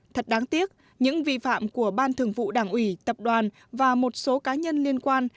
thật đáng tiếc những vi phạm của ban thường vụ đảng ủy tập đoàn và một số cá nhân liên quan